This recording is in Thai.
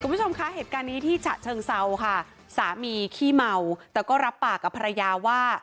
คุณผู้ชมคะเหตุการณ์นี้ที่ฉะเชิงเซาค่ะสามีขี้เมาแต่ก็รับปากกับภรรยาว่า